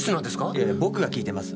いやいや僕が聞いてます。